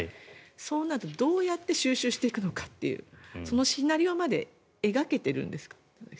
そうなると、どうやって収拾していくのかというそのシナリオまで描けているんですか？